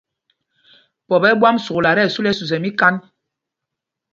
Pɔp ɛ́ ɛ́ ɓwam sukla tí ɛsu lɛ ɛsüesɛl míkand.